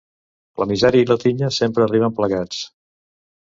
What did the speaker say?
La misèria i la tinya sempre arriben plegats.